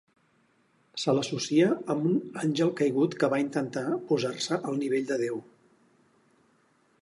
Se l'associa a un àngel caigut que va intentar posar-se al nivell de Déu.